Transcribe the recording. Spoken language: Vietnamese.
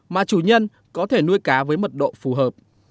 mà chủ nhân có thể nuôi cá với mật độ phù hợp